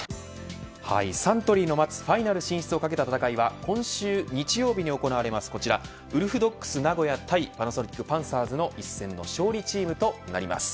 サントリーの待つファイナル進出を懸けた戦いは今週日曜日に行われます、こちらウルフドッグス名古屋対パナソニックパンサーズの勝利チームとなります。